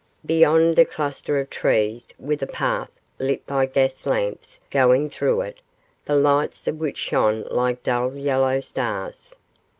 Beyond a cluster of trees, with a path, lit by gas lamps, going through it, the lights of which shone like dull yellow stars.